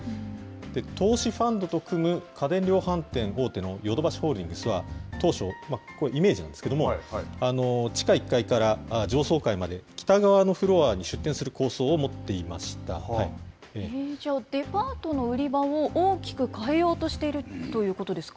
投資ファンドと組む家電量販店大手のヨドバシホールディングスは当初、これ、イメージなんですけど、地下１階から上層階まで北側のフロアに出店する構想を持っていまじゃあ、デパートの売り場を大きく変えようとしているということですか。